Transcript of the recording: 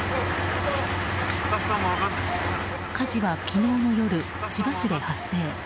火事は昨日の夜、千葉市で発生。